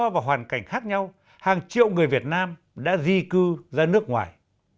nhiều lý do và hoàn cảnh khác nhau hàng triệu người việt nam đã di cư ra nước ngoài